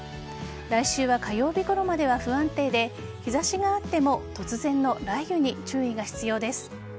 来週は火曜日ごろまでは不安定で日差しがあっても突然の雷雨に注意が必要です。